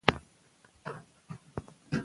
که ماشوم ته سزا ورکړل سي هغه وېرېږي.